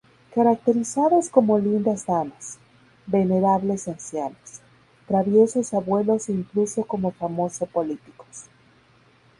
Caracterizados como lindas damas, venerables ancianas, traviesos abuelos e incluso como famoso políticos.